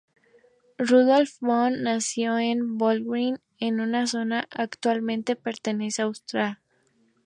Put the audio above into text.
Rudolf von Ems nació en Vorarlberg, en una zona que actualmente pertenece a Austria.